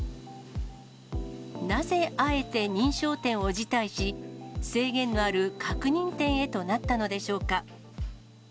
なぜ、あえて認証店を辞退し、制限のある確認店へとなったのでしょうか。